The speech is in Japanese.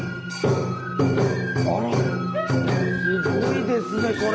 あらすごいですねこれ。